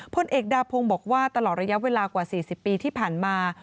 พลเอกดาพงศ์บอกว่าตลอดระยะเวลากว่า๔๐ปีที่ผ่านมา